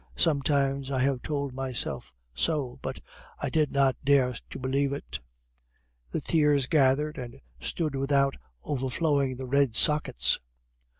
Sometimes I have told myself so, but I did not dare to believe it." The tears gathered and stood without overflowing the red sockets.